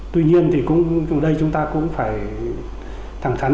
tuy nhiên ở đây chúng ta cũng phải thẳng thẳng